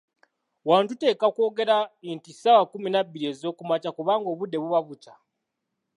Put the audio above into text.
Wano tuteekwa kwogera nti ssaawa kkumi nabbiri ez'okumakya, kubanga obudde buba bukya.